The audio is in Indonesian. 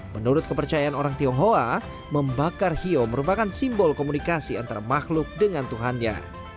menurut kepercayaan orang tionghoa membakar hiyo merupakan simbol komunikasi antara makhluk dengan tuhannya